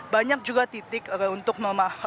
banyak juga titik untuk memanfaatkan